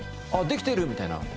あっできてる！みたいな。